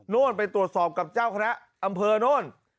โน้นไปตรวจสอบกับเจ้าคณะอำเภานโน้น